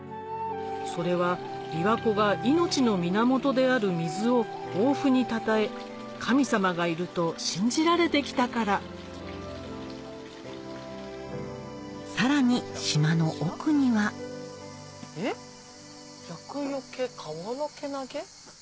それは琵琶湖が命の源である水を豊富にたたえ神様がいると信じられてきたからさらに島の奥にはえっ「厄除かわらけ投げ」？